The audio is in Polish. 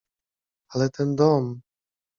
— Ale ten dom…